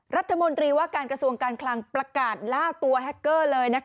รัฐมนตรีว่าการกระทรวงการคลังประกาศล่าตัวแฮคเกอร์เลย